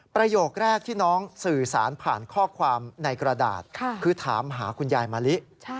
ประโยคแรกที่น้องสื่อสารผ่านข้อความในกระดาษคือถามหาคุณยายมะลิ